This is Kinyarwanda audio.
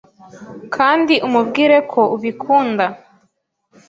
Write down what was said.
kandi umubwire ko ubikunda